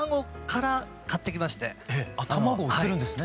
あ卵売ってるんですね。